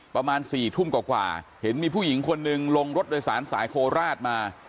ประมาณ๔ทุ่มกว่าเห็นมีผู้หญิงคนหนึ่งลงรถโดยสารสายโคราชมา